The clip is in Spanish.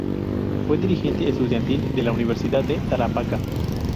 Fue dirigente estudiantil de la Universidad de Tarapacá.